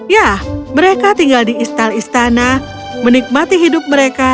ya mereka tinggal di istal istana menikmati hidup mereka